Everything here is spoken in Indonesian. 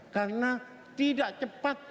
karena tidak cepat